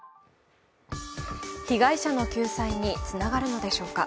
被害者の救済につながるのでしょうか。